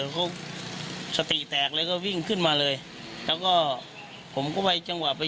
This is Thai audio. เขาสติแตกเลยก็วิ่งขึ้นมาเลยแล้วก็ผมก็ไปจังหวะไป